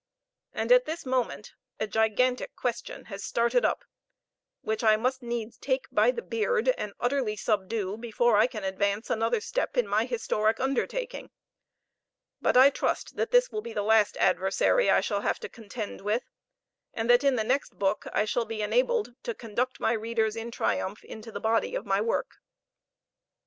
And at this moment a gigantic question has started up, which I must needs take by the beard and utterly subdue before I can advance another step in my historic undertaking; but I trust this will be the last adversary I shall have to contend with, and that in the next book I shall be enabled to conduct my readers in triumph into the body of my work.